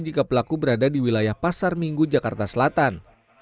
jika pelaku berada di wilayah pasar minggu jakarta selatan